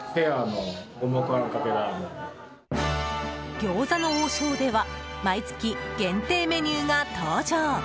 餃子の王将では毎月限定メニューが登場。